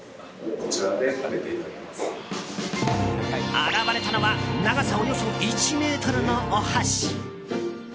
現れたのは長さおよそ１ｍのお箸。